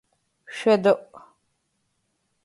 ШъуедэIу!